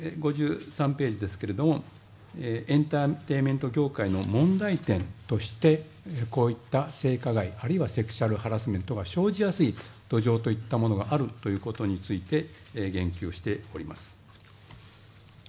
続いて、エンターテイメント業界の問題点としてこういった性加害、あるいはセクシュアルハラスメントが生じやすい土壌であるといったことについて言及しております。